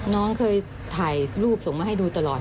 น้องเคยถ่ายรูปส่งมาให้ดูตลอด